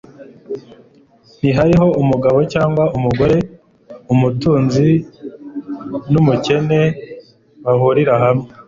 ntihariho umugabo cyangwa umugore.» «Umutunzi n'umukene bahurira hamwe,